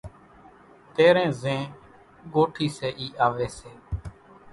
تيرين زين ڳوٺِي سي اِي آوي سي